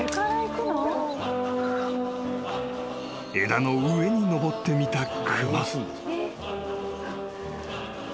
［枝の上に登ってみた熊］